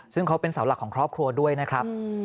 ซึ่งเขาเป็นเสาหลักของครอบครัวด้วยนะครับ